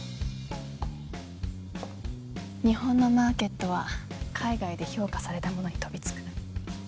日本のマーケットは海外で評価されたものに飛びつく